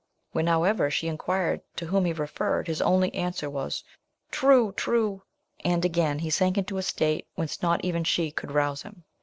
When, however, she inquired to whom he referred, his only answer was, "True! true!" and again he sank into a state, whence not even she could rouse him.